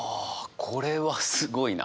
これはすごいな。